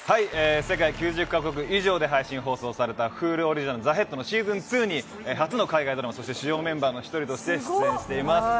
世界９０カ国以上で配信放送されたＨｕｌｕオリジナルの『ＴＨＥＨＥＡＤ』のＳｅａｓｏｎ２に初の海外ドラマ、そして主要メンバーの１人として出演しています。